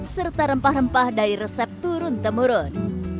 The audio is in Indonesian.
serta rempah rempah dari resep turun temurun